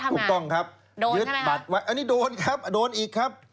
ถูกต้องครับยึดบัตรไว้อันนี้โดนครับโดนอีกครับ